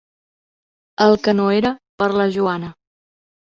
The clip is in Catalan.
El que no era per a la Joana.